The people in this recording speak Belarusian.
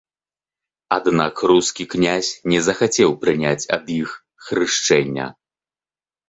Аднак рускі князь не захацеў прыняць ад іх хрышчэння.